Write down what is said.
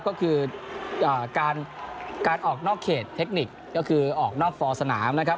ก็คือการออกนอกเขตเทคนิคก็คือออกนอกฟอร์สนามนะครับ